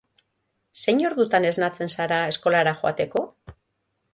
Zein ordutan esnatzen zara eskolara joateko?